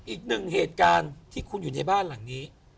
อีกหนึ่งเหตุการณ์ที่คุณอยู่ในบ้านหลังนี้